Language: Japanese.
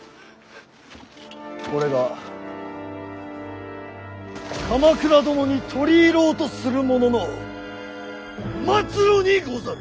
これが鎌倉殿に取り入ろうとする者の末路にござる！